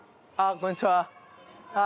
こんにちは。